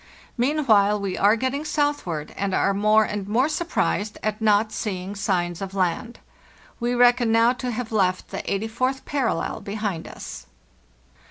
Meanwhile we are getting southward, and are more and more surprised at not seeing signs of land. We reckon now to have left the eighty fourth parallel be hind us.